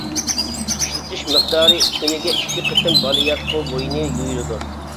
ئىشلىتىش مىقدارى: كۈنىگە ئىككى قېتىم، بالىياتقۇ بوينى يۇيۇلىدۇ.